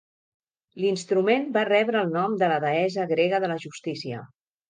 L'instrument va rebre el nom de la deessa grega de la justícia.